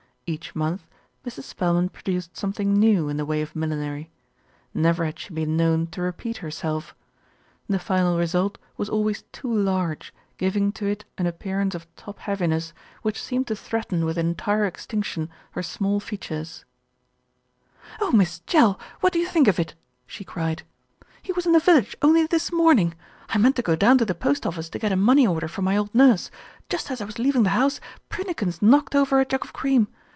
Each month Mrs. Spelman produced something new in the way of millinery. Never had she been known to repeat herself. The final result was always too large, giving to it an apnearance of top heaviness which seemed to threaten with entire extinction her small features* LITTLE BILSTEAD SITS IN JUDGMENT 107 "Oh, Miss Jell! What do you think of it?" she cried. "He was in the village only this morning. I meant to go down to the post office to get a money order for my old nurse. Just as I was leaving the house, Prinnikins knocked over a jug of cream.